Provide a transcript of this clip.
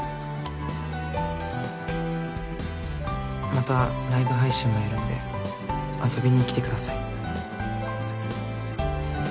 またライブ配信もやるんで遊びに来てください。